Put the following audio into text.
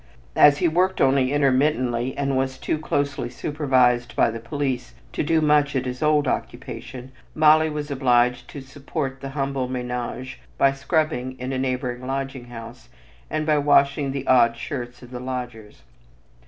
As he worked only intermittently, and was too closely supervised by the police to do much at his old occupation, Molly was obliged to support the humble ménage by scrubbing in a neighboring lodging house and by washing "the odd shirts" of the lodgers.